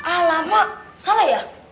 alamak salah ya